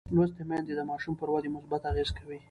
لوستې میندې د ماشوم پر ودې مثبت اغېز کوي.